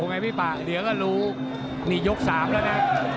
ไงพี่ปากเดี๋ยวก็รู้นี่ยก๓แล้วนะ